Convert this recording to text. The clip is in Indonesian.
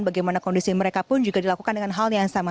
bagaimana kondisi mereka pun juga dilakukan dengan hal yang sama